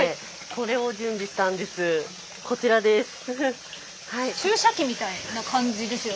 こちらです。